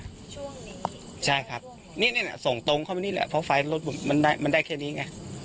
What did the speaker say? ช่วงนี้ใช่ครับนี่ส่งตรงเข้ามานี่แหละเพราะไฟล์รถมันได้แค่นี้ไง